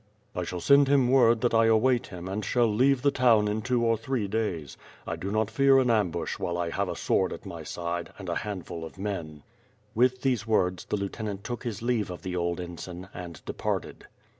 "I shall send him word that I await him and shall leave the town in two or three days. I do not fear an ambush while I have a sword at my side, and a handful of men." WITH FIRE AND SWORD. 3, With these words the lieutenant took his leave of the old ensign and departed.